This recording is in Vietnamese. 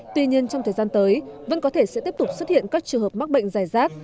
tuy nhiên trong thời gian tới vẫn có thể sẽ tiếp tục xuất hiện các trường hợp mắc bệnh giải rác